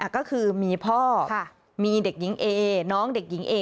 ก็คือมีพ่อมีเด็กหญิงเอน้องเด็กหญิงเอ